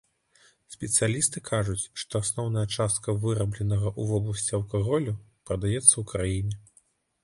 Спецыялісты кажуць, што асноўная частка вырабленага ў вобласці алкаголю прадаецца ў краіне.